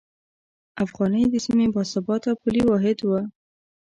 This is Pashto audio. افغانۍ د سیمې باثباته پولي واحد و.